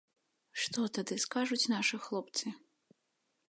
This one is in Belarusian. Што тады скажуць нашы хлопцы?